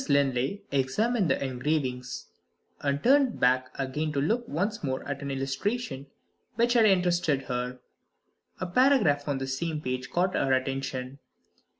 Linley examined the engravings and turned back again to look once more at an illustration which had interested her. A paragraph on the same page caught her attention.